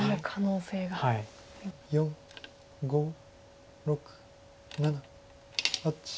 ４５６７８。